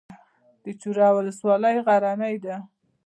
د چوره ولسوالۍ غرنۍ ده